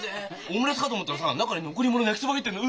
オムレツかと思ったらさ中に残り物の焼きそば入ってるの。